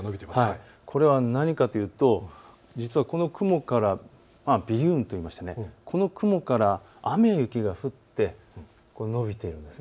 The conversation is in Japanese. これは何かというと実はこの雲から尾流雲と言ってこの雲から雨や雪が降ってのびているんです。